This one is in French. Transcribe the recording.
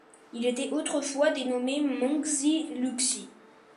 Il était autrefois dénommé Mangshi Luxi.